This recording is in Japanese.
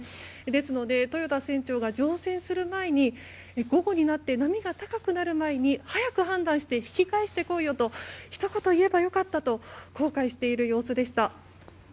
ですので豊田船長が乗船する前に午後になって波が高くなる前に早く判断して引き返してこいよとひと言言えば良かったと後悔している様子でした。